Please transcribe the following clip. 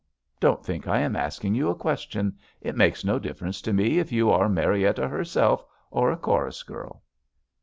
Don't think I am asking you a question. It makes no difference to me if you are Marietta herself or a chorus girl."